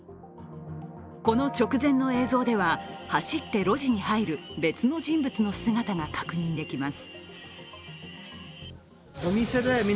この直前の映像では走って路地に入る別の人物の姿が確認できます。